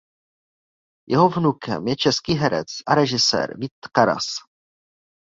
Jeho vnukem je český herec a režisér Vít Karas.